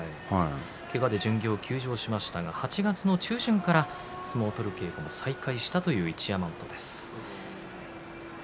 けがで巡業を休場しましたが８月中旬から稽古を再開したという一山本です。